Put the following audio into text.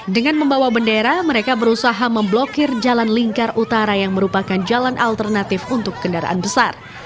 dengan membawa bendera mereka berusaha memblokir jalan lingkar utara yang merupakan jalan alternatif untuk kendaraan besar